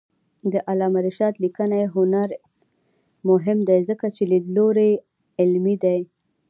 د علامه رشاد لیکنی هنر مهم دی ځکه چې لیدلوری علمي دی.